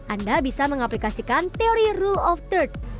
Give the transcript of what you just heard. anda bisa mengaplikasikan koneksi atau koneksi yang tidak memantulkan